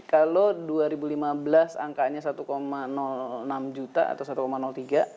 kalau dua ribu lima belas angkanya satu enam juta atau satu tiga